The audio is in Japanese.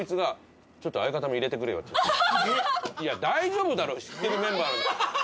いや大丈夫だろ知ってるメンバー。